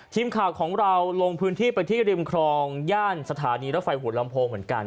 ทีมข่าวของเราลงพื้นที่ไปที่ริมครองย่านสถานีรถไฟหัวลำโพงเหมือนกัน